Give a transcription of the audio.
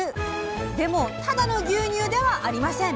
でもただの牛乳ではありません！